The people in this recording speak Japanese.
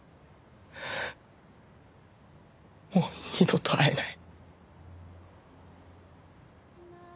もう二度と会えない。